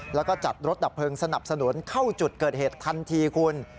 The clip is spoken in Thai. แล้วก็จัดรถดับเพลิงสนับสนุนเข้าจุดเกิดเหตุทันทีคุณ